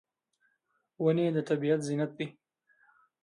ونې د طبیعت زینت دي.